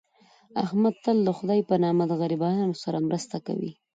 احمد تل دخدی په نامه د غریبانو سره مرسته کوي.